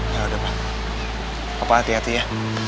ya udah pak apa hati hati ya